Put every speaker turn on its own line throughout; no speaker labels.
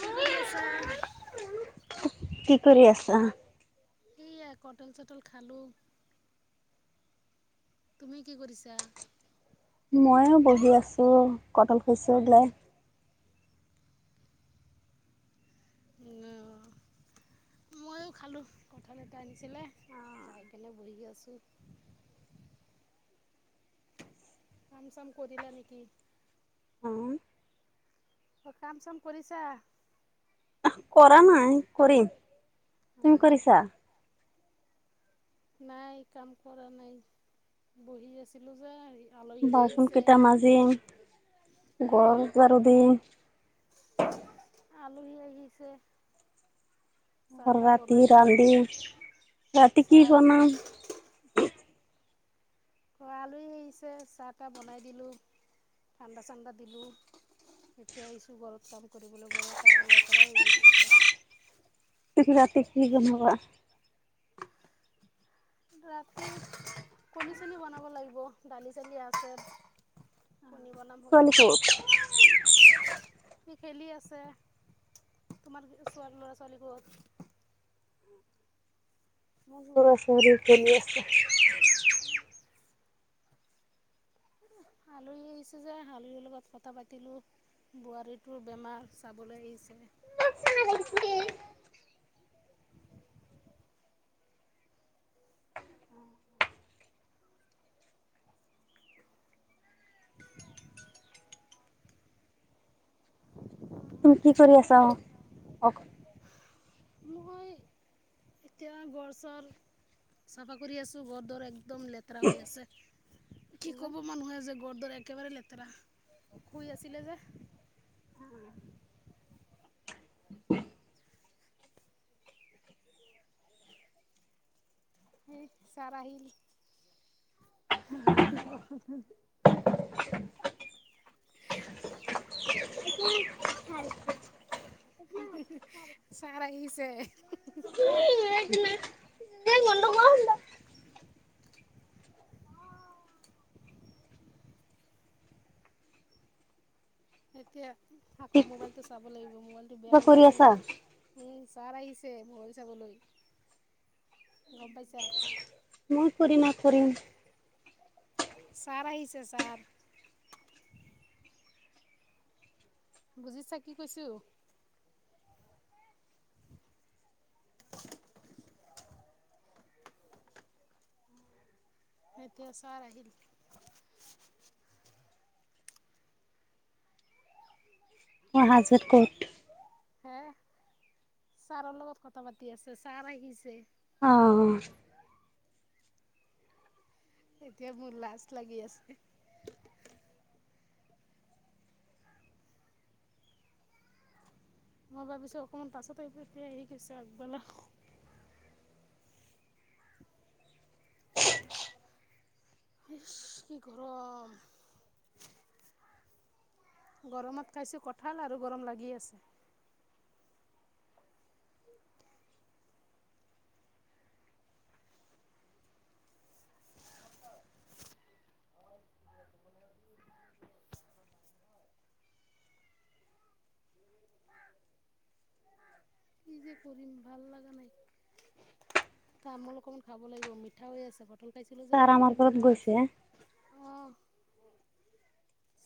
কি কৰি আছা?
কি কৰি আছা?
সেয়া, কটল চটল খালোঁ। তুমি, কি কৰিছা?
ময়ো বহি আছোঁ, কটল শছ্য বওলাই।
অ। ময়ো খালোঁ, কঁঠাল এটা আনিছিলে, খাই কেনে বহি আছোঁ। কাম চাম কৰিলা নেকি?।
অ
অ', কাম চাম কৰিছা?।
কৰা নাই, কৰিম।
অ
তুমি কৰিছা?।
নাই, কাম কৰা নাই। বহি আছিলো যে, হেৰি
বাছন কেইটা মাজিম, ঘৰ জাৰু দিম।
আলহী আহিছে। চাহ তাহ
ৰাতি
বনাই দিলোঁ।
ৰান্ধিম ৰাতি কি
চাহ। -
বনাম
ত' আলহী আহিছে, চাহ তাহ বনাই দিলোঁ। ঠাণ্ডা চান্দা দিলোঁ। এতিয়া আহিছো, গৰত কাম কৰিবলৈ, গৰৰ কাম লেতেৰা হৈ গৈছিল।
[unintelligible]
ৰাতি, কণী চনী বনাব লাগিব, দালি চালি আছে। কণী বনাম, হৈ
ছোৱালী
যাব।
ক'ত?
সি খেলি আছে, তোমাৰ চ, ল'ৰা ছোৱালীবোৰত।
লৰা ছোৱালী খেলি আছে।
কি আহিছে যে, শালিৰিৰ লগত কথা পাতিলোঁ। বোৱাৰীটোৰ বেমাৰ, চাবলৈ আহিছে।
[unintelligible] তুমি কি কৰি আছা?।
মই এতিয়া গৰ চৰ, চাফা কৰি আছো, গৰ দৰ এক একদম লেতেৰা হৈ আছে, কি কব মানুহে যে গৰ দৰে একেবাৰে লেতেৰা, শুই আছিলে যে।
[inaudible]
সেই চাৰ আহিল। [unintelligible]
[inaudible]
[inaudible]
[inaudible]
[unintelligible] চাৰ আহিছে।
[unintelligible] [unintelligible]
এতিয়া, আকৌ মোবাইলটো চাব লাগিব। মোবাইলটো, বেয়া
কিবা
হৈ
কৰি
আছে
আছা?
নহয়। উম ছাৰ আহিছে মল চাবলৈ গম পাইছা।
মই কৰিুমা খৰিম।
ছাৰ আহিছে ছাৰ। বুজিছা কি কৈছো। এতিয়া চাৰ আহিল।
মই হাজত ক'ত?
হে ছাৰৰ লগত কথা পাতি আছে ছাৰ আহিছে।
অ'।
এতিয়া মোৰ লাজ লাগি আছে। মই ভাবিছো অকণমান পাছতে এতিয়া হেৰি কৰিছে আগবেলা। এইচ কি গৰম। গৰমত খাইছোঁ কঁঠাল আৰু গৰম লাগি আছে। কি যে কৰিম ভাল লগা নাই, তামোল অকণমান খাব লাগিব মিঠা হৈ আছে প তল খাইছিলোঁ যে
ছাৰ আমাৰ
মুখখন
ঘৰত
মিঠা হৈ
গৈছে।
আছে। আহ,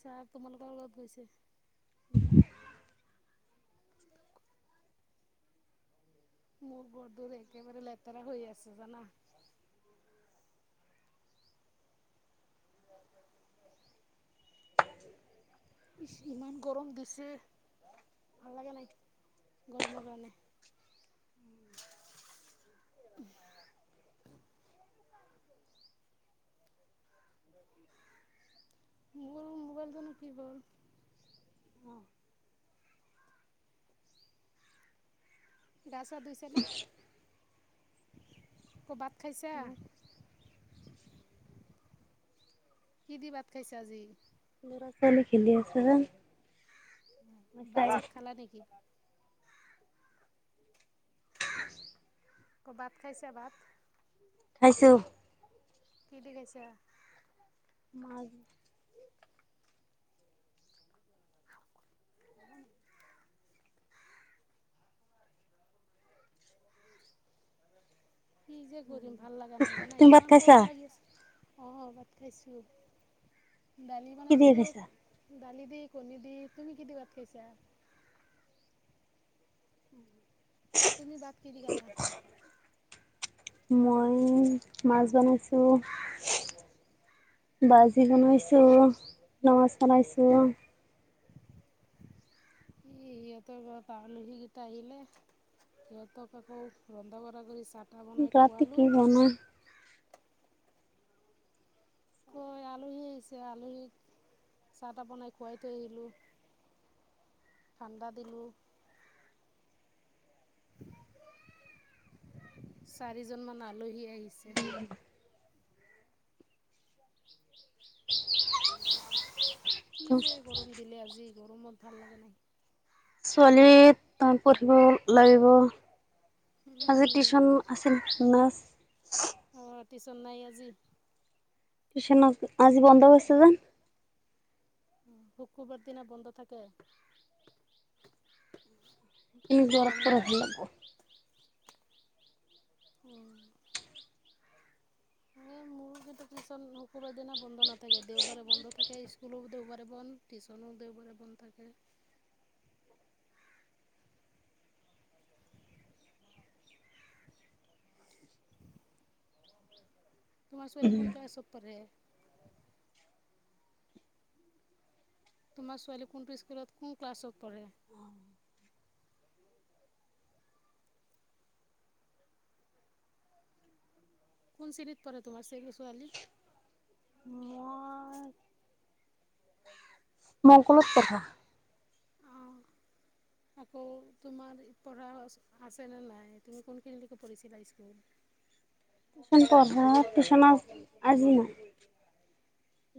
চাৰ তোমালোকৰ লগত গৈছে। মোৰ ঘৰটোৰ একেবাৰে লেতেৰা হৈ আছে জানা। [unintelligible] ইমান গৰম দিছে, ভাল লাগে নাই গৰমৰ কাৰণে। মোৰ মোবাইলটো নো কি হ'ল'? গা চা ধুইছে নে, ক ভাত খাইছা? কি দি ভাত খাইছে আজি?
ল'ৰা ছোৱালী খেলি আছে। মই চাই
ভাত-চাত
আছো।
খালা নেকি? ক ভাত খাইছে ভাত?
খাইছোঁ।
কি দি খাইছা?
মাছ।
[unintelligible] কি যে কৰিম ভাল লগা নাই জানা,
তুমি ভাত
ইমান
খাইছা
গৰম লাগি আছে। অ', ভাত খাইছো, দালি
কি দি
বনাইছিলো।
খাইছা?
দালি দি, কণী দি, তুমি কি দি ভাত খাইছা? তুমি ভাত কি দি খালা?
মই মাছ বনাইছোঁ। ভাজি বনাইছোঁ, মাছ বনাইছোঁ।
ই সিহঁতৰ ঘৰত আলহী কেইটা আহিলে। সিহঁতক আকৌ ৰন্ধা-বৰা কৰি চাহ-তাহ বনাই
ৰাতি
খোৱালোঁ।
কি বনাও
আকৌ আলহী আহিছে, আলহীক চাহ-তাহ বনাই খুৱাই থৈ আহিলোঁ। ঠাণ্ডা দিলোঁ। চাৰিজন মান আলহী আহিছে। [unintelligible] কি যে গৰম দিলে আজি, গৰমত ভাল লাগা নাই।
ছোৱালী প্ৰথম পঢ়িব লাগিব। আজি টিউশ্যন আছিল না?
অঁ টিউশ্যন নাই আজি।
টিউশ্যন আজি বন্ধ কৰিছে যেন।
শুক্ৰবাৰ দিনা বন্ধ থাকে।
সেইকাৰণে ঘৰত পঢ়িব লাগব।
উম।
[unintelligible]
মোৰ কিন্তু টিউশ্যন শুক্ৰবাৰে দিনা বন্ধ নাথাকে। দেওবাৰে বন্ধ থাকে স্কুলো দেওবাৰে বন্ধ। টিউশ্যনো দেওবাৰে বন্ধ থাকে। তোমাৰ ছোৱালী কোন ক্লাছত পঢ়ে? তোমাৰ ছোৱালী কোনটো স্কুলত, কোন ক্লাছত পঢ়ে? কোন শ্ৰেণীত পঢ়ে তোমাৰ চেৰি ছোৱালী?
মই, [unintelligible] কথা
অঁ আকৌ তোমাৰ পঢ়া আছেনে নাই, তুমি কোনখিনিলৈকে পঢ়িছিলা স্কুল?
[unintelligible] পঢ়া টিউচনত আজি না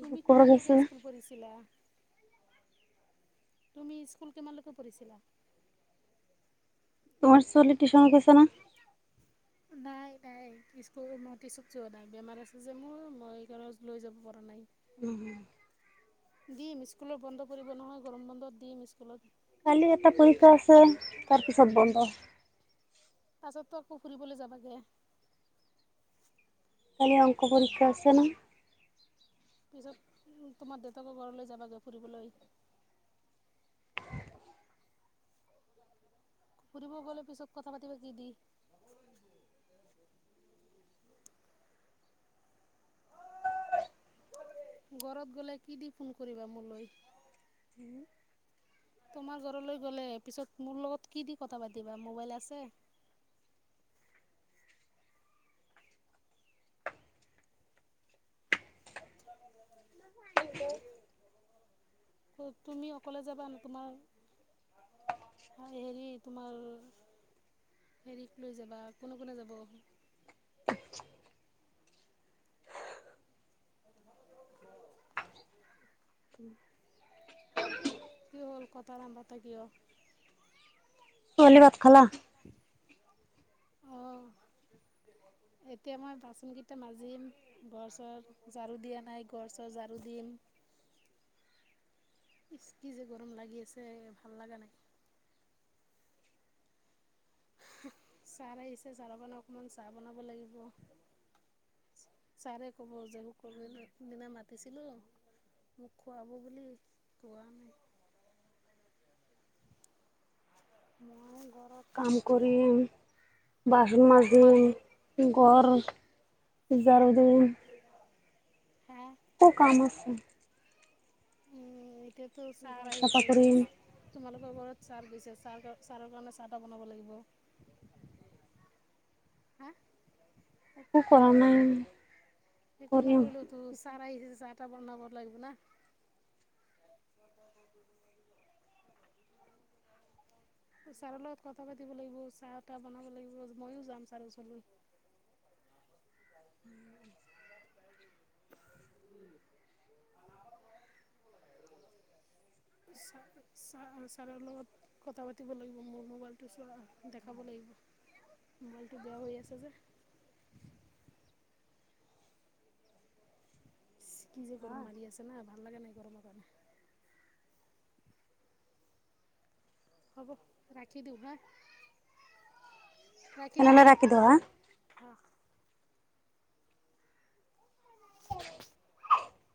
তুমি কিমান লৈকে স্কুল পঢ়িছিলা তুমি স্কুল কিমানলৈকে পঢ়িছিলা?
তোমাৰ চলীক টিউচনত দিছা না? [inaudible]
নাই নাই স্কুল টিউচন যোৱা নাই, বেমাৰ আছে যে মোৰ মই সেইকাৰণে লৈ যাব পৰা নাই।
উম উম
দিম স্কুলত বন্ধ কৰিব নহয় গৰম বন্ধত দিম স্কুলত।
কালি এটা পৰিক্ষা আছে তাৰপিছত বন্ধ।
পাছতো আকৌ ফুৰিবলৈ যাবাগে।
কাইলে অংকৰ পৰীক্ষা আছে না?
পিছত তোমাৰ দেউতাকৰ ঘৰলৈ যাবাগৈ ফুৰিবলৈ ফুৰিব গ'লে পিছত কথা পাতিবা নিদি ঘৰত গ'লে কি দি ফোন কৰিবা মোলৈ?
[inaudible]
তোমাৰ ঘৰলৈ গ'লে পিছত মোৰ লগত কি দি কথা পাতিবা মোবাইল আছে? তুমি অকলে যাবা নে তোমাৰ হে হেৰি তোমাৰ হেৰিক লৈ যাবা কোনে কোনে যাব? [unintelligible]
উম
কি হ'ল কথা নাপাতা কিয়?
ছোৱালী ভাত খালা?
অ'। এতিয়া মই বাচন কেইটা মাজিম। ঘৰ চৰ ঝাৰু দিয়া নাই ঘৰ চৰ ঝাৰু দিম। ইচ কি যে গৰম লাগি আছে ভাল লাগা নাই। ছাৰ আহিছে ছাৰৰ কাৰণে অকণমান চাহ বনাব লাগিব। ছাৰে কব যে শুক্ৰবাৰ দিনা মাতিছিলো মোক খুৱাব বুলি খোৱা নাই
মই ঘৰত কাম কৰিম বাচন মাজিম। ঘৰ ঝাৰু দিম
হা
অ কাম আছে
উম এতিয়াটো
ঘৰ
ছাৰ
চাফা
আহিছে
কৰিম,
তোমালোকৰ ঘৰত ছাৰ গৈছে চাহ ছাৰৰ কাৰণে চাহ তাহ বনাব লাগিব। হা
একো কৰা নাই।
একো
কৰিম।
নকৰিলেও তো ছাৰ আহিছে চাহ তাহ বনাব লাগিব না। ছাৰৰ লগত কথা পাতিব লাগিব চাহ তাহ বনাব লাগিব মইয়ো যাম ছাৰৰ ওচৰলৈ
উম। [unintelligible]
ছাৰ, ছাৰৰ ছাৰৰ লগত কথা পাতিব লাগিব মোৰ মোবাইল টো চোৱা দেখাব লাগিব মোবাইলটো বেয়া হৈ আছে যে। ইচ কি যে গৰম মাৰি আছে না ভাল লাগা নাই গৰমৰ কাৰণে। হ'ব ৰাখি দিওঁ হা ৰাখি দিওঁ। [unintelligible]
[inaudible]